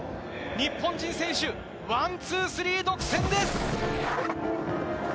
日本人選手、ワンツースリー独占です。